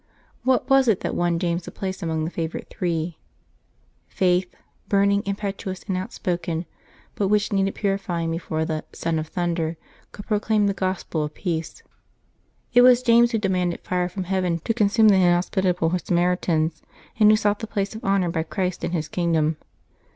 What was it that won James a place among the favorite three ? Faith, burning, impetuous, and outspoken, but which needed purifying before the ^^ Son of Thunder '' could proclaim the gospel of peace. It was James who demanded fire from heaven to consume the inhospitable Samaritans, and who sought the place of honor by Christ in His Kingdom.